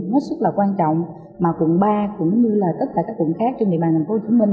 rất là quan trọng mà quận ba cũng như là tất cả các quận khác trên địa bàn thành phố hồ chí minh